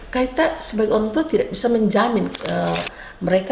kita sebagai orang tua tidak bisa menjamin mereka